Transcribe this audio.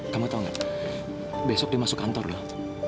kamu tau gak besok dia masuk kantor dong